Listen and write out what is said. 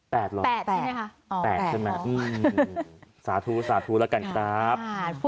แปดหรอแปดใช่ไหมสาธุแล้วกันครับ